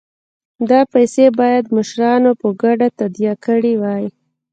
دا پیسې باید مشرانو په ګډه تادیه کړي وای.